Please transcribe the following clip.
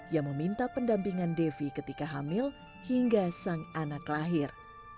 yang meminta pendampingan devi ketika hamil hingga sang anak lahir